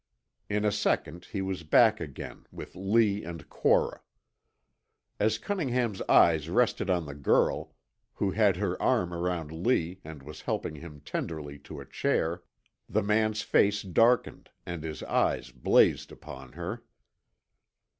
In a second he was back again with Lee and Cora. As Cunningham's eyes rested on the girl, who had her arm around Lee and was helping him tenderly to a chair, the man's face darkened and his eyes blazed upon her.